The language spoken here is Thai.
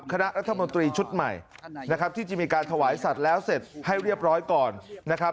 คณะรัฐบนตรีชุดใหม่ที่จะมีการถวายสัตว์แล้วเสร็จให้เรียบร้อยก่อน